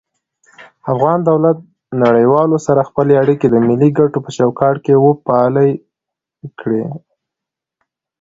افغان دولت نړيوالو سره خپلی اړيکي د ملي کټو په چوکاټ کي وپالی کړي